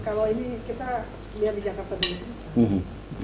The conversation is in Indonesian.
kalau ini kita lihat di jakarta dulu